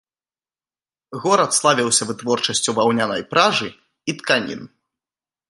Горад славіўся вытворчасцю ваўнянай пражы і тканін.